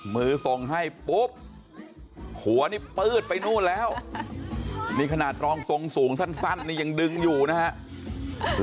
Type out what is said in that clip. มือส่งให้ปุ๊บหัวนี่ปืดไปนู่นแล้วนี่ขนาดรองทรงสูงสั้นนี่ยังดึงอยู่นะครับ